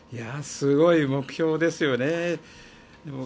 すごい目標ですよね。